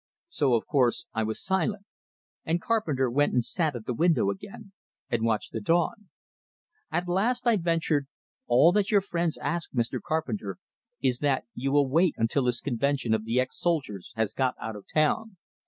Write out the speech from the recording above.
So, of course, I was silent; and Carpenter went and sat at the window again, and watched the dawn. At last I ventured: "All that your friends ask, Mr. Carpenter, is that you will wait until this convention of the ex soldiers has got out of town.